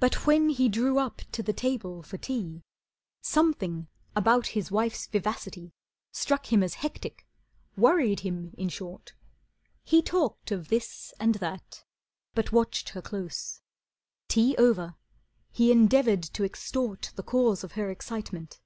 But when he drew up to the table for tea Something about his wife's vivacity Struck him as hectic, worried him in short. He talked of this and that but watched her close. Tea over, he endeavoured to extort The cause of her excitement.